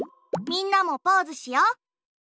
みんなもポーズしよ。